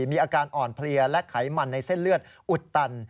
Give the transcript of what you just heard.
มีอาการอ่อนเพลียและไขมันในเส้นเลือดอุดตัน